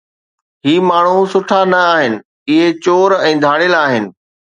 هي ماڻهو سٺا نه آهن، اهي چور ۽ ڌاڙيل آهن.